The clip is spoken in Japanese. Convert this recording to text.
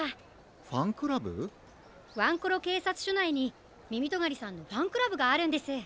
ワンコロけいさつしょないにみみとがりさんのファンクラブがあるんです。